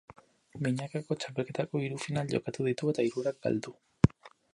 Binakako txapelketako hiru final jokatu ditu eta hirurak galdu.